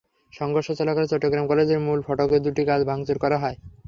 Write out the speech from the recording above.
সংঘর্ষ চলাকালে চট্টগ্রাম কলেজের মূল ফটকের দুটি কাচ ভাঙচুর করা হয়।